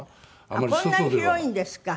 あっこんなに広いんですか？